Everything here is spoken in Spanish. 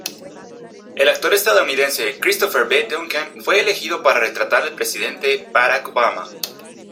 El actor estadounidense Christopher B. Duncan fue elegido para retratar el presidente Barack Obama.